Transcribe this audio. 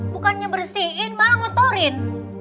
bukannya bersihin malah ngotorin